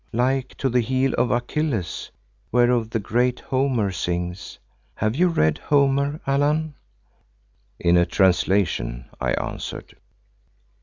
Like to the heel of Achilles whereof the great Homer sings—have you read Homer, Allan?" "In a translation," I answered.